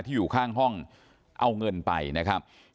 อยู่ข้างห้องเอาเงินไปนะครับ